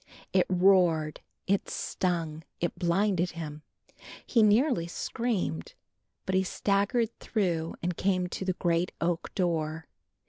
It roared, it stung, it blinded him, he nearly screamed, but he staggered through and came to the great oak door.